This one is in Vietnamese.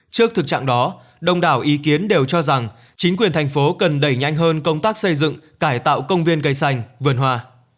trước thực trạng đó đông đảo ý kiến đều cho rằng chính quyền thành phố cần đẩy nhanh hơn công tác xây dựng cải tạo công viên cây xanh vườn hoa